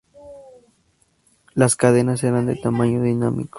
Las cadenas eran de tamaño dinámico.